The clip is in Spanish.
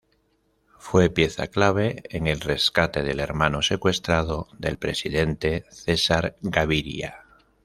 Fue pieza clave en el rescate del hermano secuestrado del presidente Cesar Gaviria.